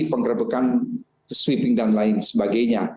penggerbekan sweeping dan lain sebagainya